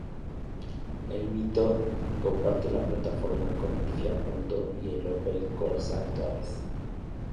El MiTo comparte plataforma con el Fiat Punto y el Opel Corsa actuales.